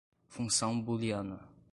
função booliana